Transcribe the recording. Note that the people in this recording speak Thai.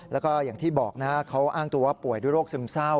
แล้วก็อย่างที่บอกนะเขาอ้างตัวว่าป่วยด้วยโรคซึมเศร้า